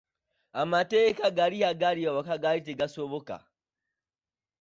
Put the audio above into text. Amateeka agaali awaka gaali tegasoboka.